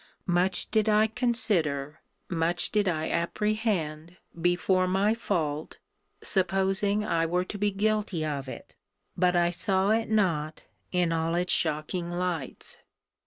Much did I consider, much did I apprehend, before my fault, supposing I were to be guilty of it: but I saw it not in all its shocking lights.